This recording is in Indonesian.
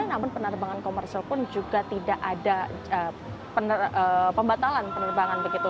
namun penerbangan komersil pun juga tidak ada pembatalan penerbangan begitu